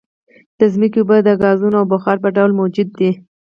د ځمکې اوبه د ګازونو او بخار په ډول موجود دي